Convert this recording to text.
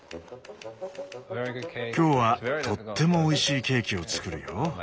今日はとってもおいしいケーキを作るよ。